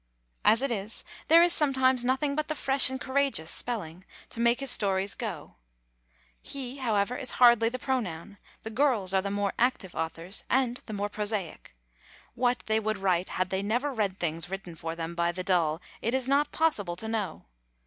As it is, there is sometimes nothing but the fresh and courageous spelling to make his stories go. "He," however, is hardly the pronoun. The girls are the more active authors, and the more prosaic. What they would write had they never read things written for them by the dull, it is not possible to know.